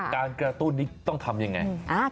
การกระตุ้นนี้ต้องทำยังไง